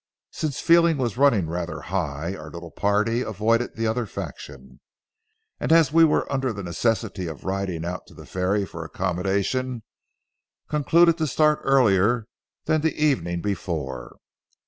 Since feeling was running rather high, our little party avoided the other faction, and as we were under the necessity of riding out to the ferry for accommodation, concluded to start earlier than the evening before.